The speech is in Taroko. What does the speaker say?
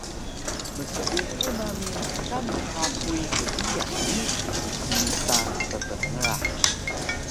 Mseupu nami mkan nhapuy gbiyan ni qmita ppngrah